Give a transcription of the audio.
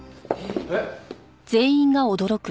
えっ！？